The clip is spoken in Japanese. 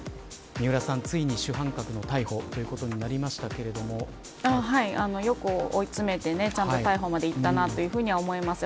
三浦さん、ついに主犯格の逮捕ということになりましたけれどもよく追い詰めて、ちゃんと逮捕までいったなというふうには思います。